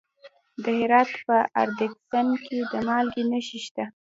د هرات په ادرسکن کې د مالګې نښې شته.